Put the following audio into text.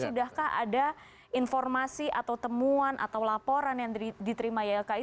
sudahkah ada informasi atau temuan atau laporan yang diterima ylki